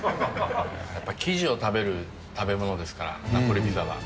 やっぱ生地を食べる食べ物ですから、ナポリピザは。